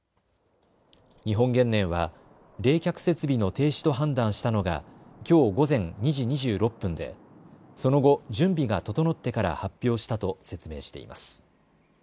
日本原燃は冷却設備の停止と判断したのがきょう午前２時２６分でその後、準備が整ってから発表したと説明しています。